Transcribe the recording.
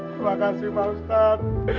terima kasih pak ustadz